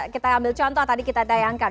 kita ambil contoh tadi kita tayangkan